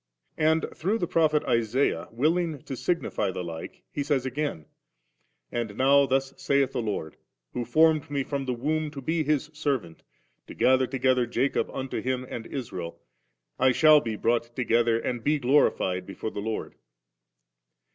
And through the Prophet Isaiah willing to signify the like, He says again :' And now thus saith the Lord, who formed me from the womb to be His servant, to gather to gether Jacob unto Him and Israel, I shall be brought together and be glorified before the LordV 52.